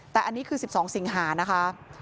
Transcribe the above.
แต่อันนี้คือ๑๒สิงหานะคะ